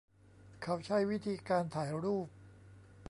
เขาใช้วิธีการถ่ายรูป